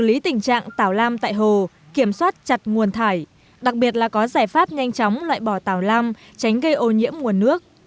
ý tình trạng tảo lam tại hồ kiểm soát chặt nguồn thải đặc biệt là có giải pháp nhanh chóng loại bỏ tảo lam tránh gây ô nhiễm nguồn nước